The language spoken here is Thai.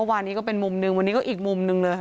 วันนี้ก็เป็นมุมหนึ่งวันนี้ก็อีกมุมหนึ่งเลย